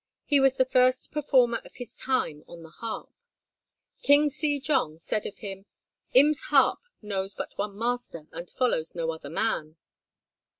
He was the first performer of his time on the harp. King Se jong said of him, "Im's harp knows but one master, and follows no other man."